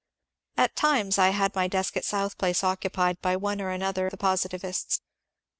At times I had my desk at South Place occupied by one or another of the positivists.